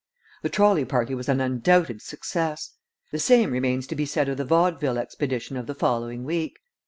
The trolley party was an undoubted success. The same remains to be said of the vaudeville expedition of the following week.